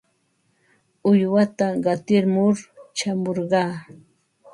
Uywata qatimur shamurqaa.